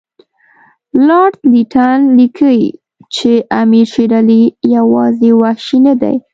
لارډ لیټن لیکي چې امیر شېر علي یوازې وحشي نه دی.